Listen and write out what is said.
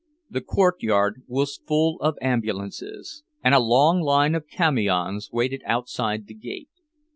The courtyard was full of ambulances, and a long line of camions waited outside the gate.